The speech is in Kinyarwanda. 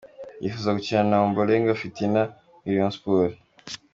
Yifuza gukinana na Ombolenga Fitina muri Rayon Sports.